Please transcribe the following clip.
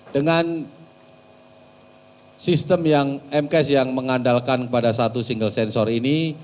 dengan sistem yang mcas yang mengandalkan kepada satu single sensor ini